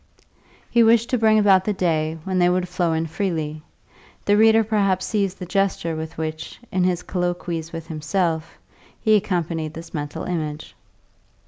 He wished to bring about the day when they would flow in freely; the reader perhaps sees the gesture with which, in his colloquies with himself, he accompanied this mental image.